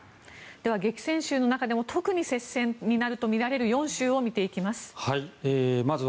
では、激戦州の中でも特に接戦になるとみられる４州を見ていきます。